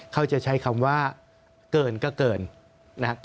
เขาจะใช้คำว่าเกินก็เกิน